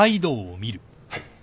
はい。